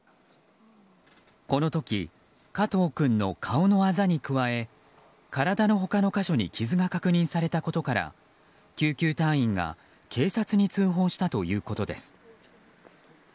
この時、加藤君の顔のあざに加え体の他の箇所に傷が確認されたことから救急隊員が警察に通報したということです。